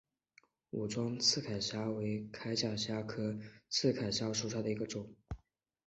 武装刺铠虾为铠甲虾科刺铠虾属下的一个种。